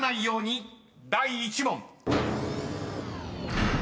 ［第１問］